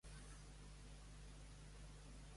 Allà importants esdeveniments històrics van ocórrer.